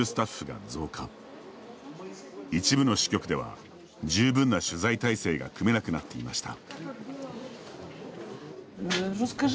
一部の支局では十分な取材態勢が組めなくなっていました。